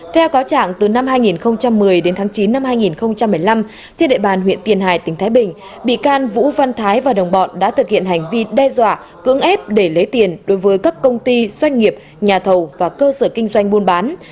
theo cáo trạng từ năm hai nghìn một mươi đến tháng chín năm hai nghìn một mươi năm trên địa bàn huyện tiền hải tỉnh thái bình bị can vũ văn thái và đồng bọn đã thực hiện hành vi đe dọa cưỡng ép để lấy tiền đối với các công ty doanh nghiệp nhà thầu và cơ sở kinh doanh buôn bán